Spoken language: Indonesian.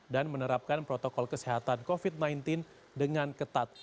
dan menerapkan protokol kesehatan covid sembilan belas dengan ketat